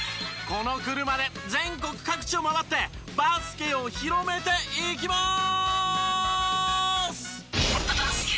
この車で全国各地を回ってバスケを広めていきまーす！